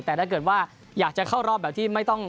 แต่ถ้าเกิดว่าอยากจะเข้ารอบแบบที่ไม่ต้อง